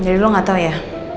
jadi lo gak tau ya